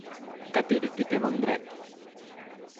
Que tiri qui té bon dret.